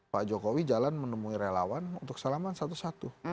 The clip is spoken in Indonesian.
pak jokowi jalan menemui relawan untuk salaman satu satu